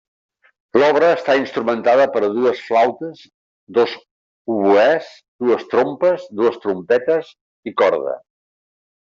L'obra està instrumentada per a dues flautes, dos oboès, dues trompes, dues trompetes i corda.